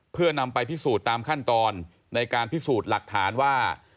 เพื่อนำไปพิสูจน์ตามขั้นตอนในการพิสูจน์หลักฐานว่า